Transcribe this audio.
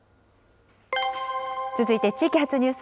続いて地域発ニュース。